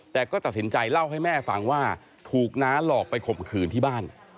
แต่ก็ตัดสินใจเล่าให้แม่ฟังว่าถูกน้าหลอกไปข่มขืนที่บ้าน